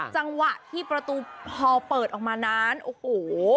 จังหวะที่ประตูพอเปิดออกมานั้นโอ้โห